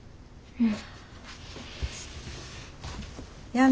うん。